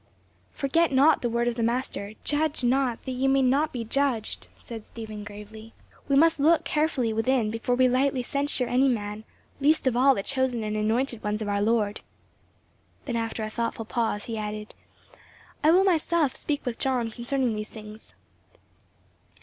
"Forget not the word of the Master, 'Judge not that ye be not judged,' said Stephen, gravely. "We must look carefully within before we lightly censure any man least of all the chosen and anointed ones of our Lord." Then after a thoughtful pause he added, "I will myself speak with John concerning these things."